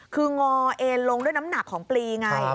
คืองอเอ็นลงด้วยน้ำหนักของปลีไง